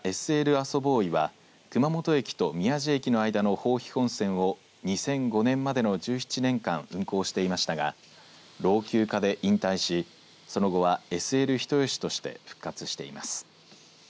あそＢＯＹは熊本駅と宮地駅の間の豊肥本線を２００５年までの１７年間運行していましたが老朽化で引退しその後はＳＬ人吉として復活しています。